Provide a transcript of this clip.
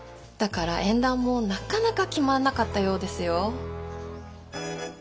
だから縁談もなかなか決まらなかったようですよ。